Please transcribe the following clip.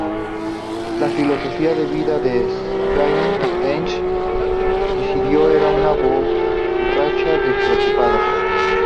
Su filosofía de vida es straight edge, diciendo "era una borracha despreocupada.